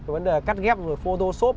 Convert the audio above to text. vấn đề là cắt ghép rồi photoshop